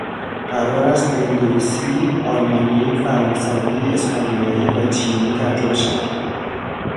قرار است به انگلیسی، آلمانی، فرانسوی، اسپانیایی، و چینی ترجمه شود.